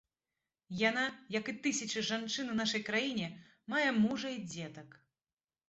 Яна, як і тысячы жанчын у нашай краіне, мае мужа і дзетак.